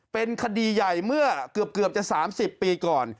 เป็นคดีใหญ่เมื่อเกือบจะ๓๐ปีก่อน